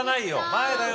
前だよ